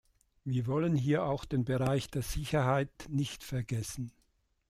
Wir wollen hier auch den Bereich der Sicherheit nicht vergessen.